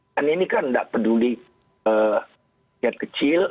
kan ini kan tidak peduli rakyat kecil